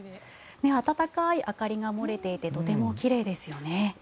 温かい明かりが漏れていてとても奇麗ですよね。